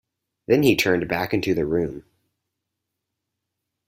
Then he turned back into the room.